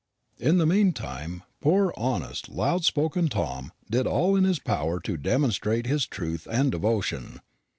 In the meantime poor honest, loud spoken Tom did all in his power to demonstrate his truth and devotion.